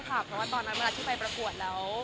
เพราะว่าตอนนั้นเวลาที่ไปประกวดแล้ว